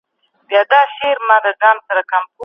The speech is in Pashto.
پرمختیا د هر افغان هیله او ارمان دی.